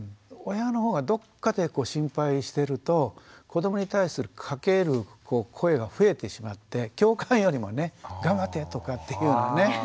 親の方がどっかで心配してると子どもに対するかける声が増えてしまって共感よりもね「頑張って」とかっていうようなね